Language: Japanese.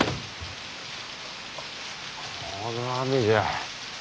この雨じゃ。